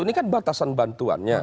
ini kan batasan bantuannya